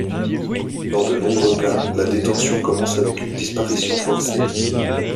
Dans de nombreux cas la détention commence avec une disparition forcée.